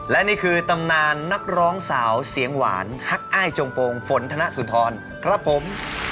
และนี่คือตำนานนักร้องสาวเสียงหวานฮักอ้ายจงโปรงฝนธนสุนทรครับผม